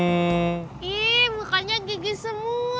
ih mukanya gigi semua